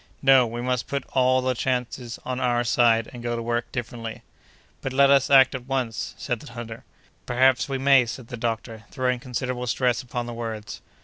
No! we must put all the chances on our side, and go to work differently." "But let us act at once!" said the hunter. "Perhaps we may," said the doctor, throwing considerable stress upon the words.